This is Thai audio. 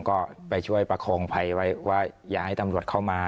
ก็ไปช่วยประคองภัยไว้ว่าอย่าให้ตำรวจเข้ามา